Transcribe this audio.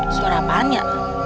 suara apaan ya